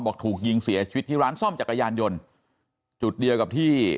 บอกถูกยิงเสียชีวิตที่ร้านซ่อมจักรยานยนต์จุดเดียวกับที่